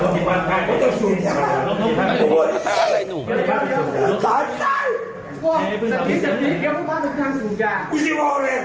ก็โดนมันคะอะไรหนู